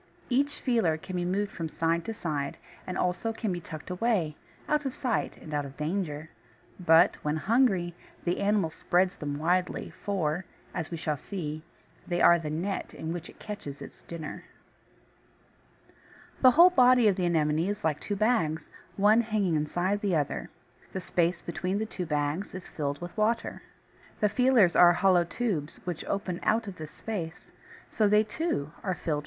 Each feeler can be moved from side to side, and can also be tucked away, out of sight and out of danger; but, when hungry, the animal spreads them widely, for, as we shall see, they are the net in which it catches its dinner. The whole body of the Anemone is like two bags, one hanging inside the other. The space between the two bags is filled with water. The feelers are hollow tubes which open out of this space; so they, too, are filled with water.